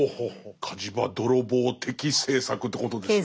火事場泥棒的政策ということですね。